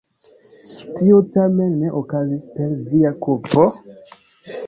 Tio tamen ne okazis per via kulpo?